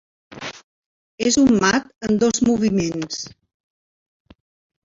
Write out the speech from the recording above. És un mat en dos moviments.